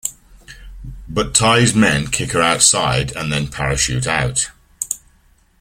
But Ty's men kick her outside and then parachute out.